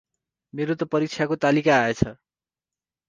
मेरो त परीक्षाको तालिका आएछ।